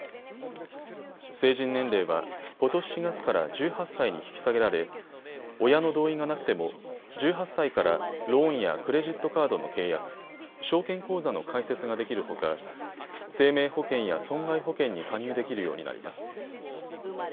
成人年齢はことし４月から１８歳に引き下げられ親の同意がなくても１８歳からローンやクレジットカードの契約、証券口座の開設ができるほか生命保険や損害保険に加入できるようになります。